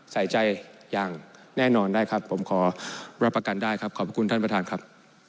ใส่ใจอย่างแน่นอนได้ครับผมขอรับประกันได้ครับขอบคุณท่านประธานครับ